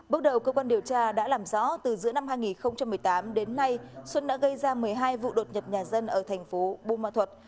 bước đầu cơ quan điều tra đã làm rõ từ giữa năm hai nghìn một mươi tám đến nay xuân đã gây ra một mươi hai vụ đột nhập nhà dân ở tp bông an thuật